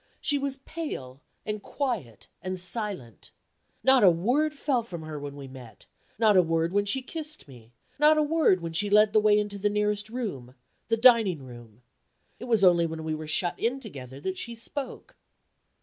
She was pale, and quiet, and silent. Not a word fell from her when we met, not a word when she kissed me, not a word when she led the way into the nearest room the dining room. It was only when we were shut in together that she spoke.